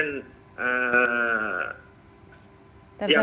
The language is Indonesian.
yang lalu diperlukan